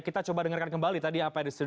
kita coba dengarkan kembali tadi apa yang disebut